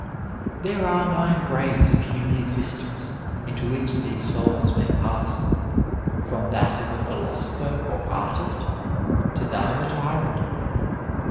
There are nine grades of human existence into which these souls may pass, from that of a philosopher or artist to that of a tyrant.